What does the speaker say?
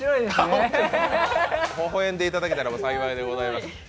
ほほ笑んでいただけたら幸いでございます。